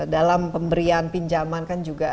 dalam pemberian pinjaman kan juga